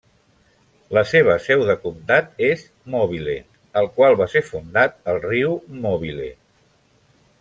La seva seu de comtat és Mobile, el qual va ser fundat al riu Mobile.